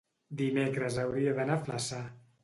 dimecres hauria d'anar a Flaçà.